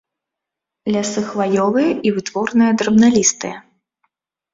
Лясы хваёвыя і вытворныя драбналістыя.